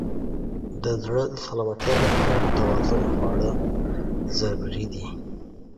د زړه د سلامتیا لپاره متوازن خواړه ضروري دي.